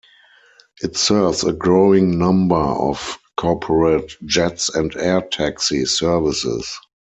It serves a growing number of corporate jets and air taxi services.